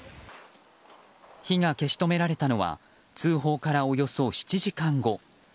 火が消し止められたのは通報からおよそ７時間後。